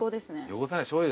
汚さない？